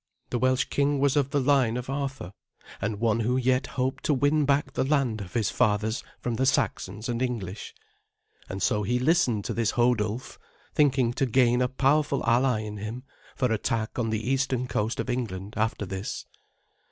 The Welsh king was of the line of Arthur, and one who yet hoped to win back the land of his fathers from the Saxons and English; and so he listened to this Hodulf, thinking to gain a powerful ally in him for attack on the eastern coast of England after this.